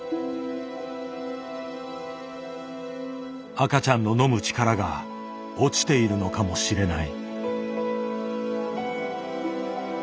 赤ちゃんの飲む力が落ちているのかもしれない。